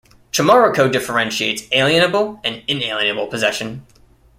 Chimariko differentiates alienable and inalienable possession.